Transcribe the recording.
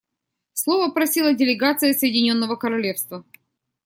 Слова просила делегация Соединенного Королевства.